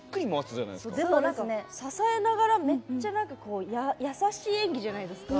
支えながら、めっちゃやさしい演技じゃないですか。